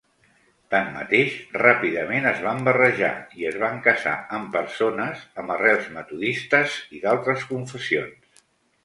Tanmateix, ràpidament es van barrejar i es van casar amb persones amb arrels metodistes i d'altres confessions.